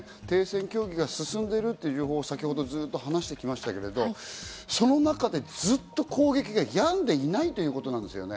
停戦協議が続いているという情報を先ほど話してきましたが、その中でずっと攻撃がやんでいないということなんです。